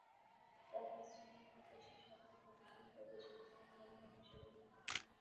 তাঁহার শ্রীমুখ হইতে সে-সকল কথা শুনিলে বুঝিবে, তাঁহার ভ্রমণ উদ্দেশ্যবিহীন নহে।